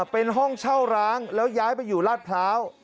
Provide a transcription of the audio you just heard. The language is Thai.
เป็นห้องเช่าร้างแล้วย้ายไปอยู่ลาดพร้าว